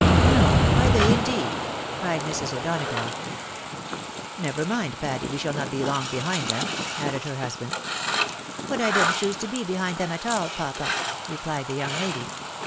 " No ! are they indeed ?" cried Mrs. O'Donagough. " Never mind, Patty, we shall not be long behind them," added her husband. "But I don't choose to be behind them at all, papa," replied the young lady.